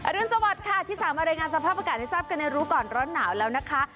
รุนสวัสดิ์ค่ะที่สามารถรายงานสภาพอากาศให้ทราบกันในรู้ก่อนร้อนหนาวแล้วนะคะ